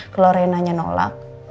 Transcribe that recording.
kalau renanya nolak